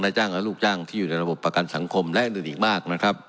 จ้างและลูกจ้างที่อยู่ในระบบประกันสังคมและอื่นอีกมากนะครับ